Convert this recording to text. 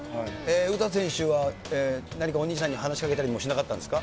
詩選手は何かお兄さんに話しかけたりもしなかったんですか。